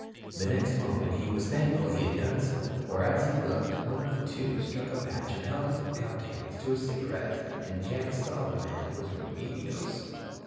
The next moment he was thankful he had done so. For, as he looked, one of the two struck a match and held it in cupped hands to a cigarette, and Jack saw the man was Remedios.